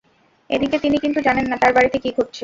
এদিকে তিনি কিন্তু জানেন না, তাঁর বাড়িতে কী ঘটছে।